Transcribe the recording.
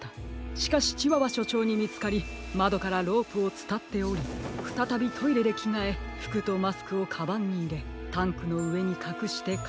しかしチワワしょちょうにみつかりまどからロープをつたっておりふたたびトイレできがえふくとマスクをカバンにいれタンクのうえにかくしてか